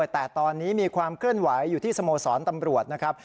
แต่ตอนนี้มีความเคลื่อนไหวอยู่ที่สโมสรตำรวจนะครับ